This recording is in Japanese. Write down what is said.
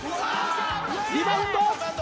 リバウンド。